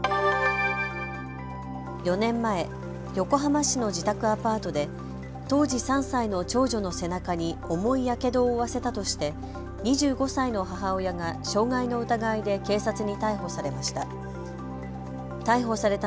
４年前、横浜市の自宅アパートで当時３歳の長女の背中に重いやけどを負わせたとして２５歳の母親が傷害の疑いで警察に逮捕されました。